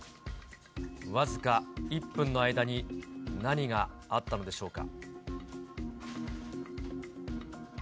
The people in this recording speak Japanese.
僅か１分の間に、何があったのでしょうか。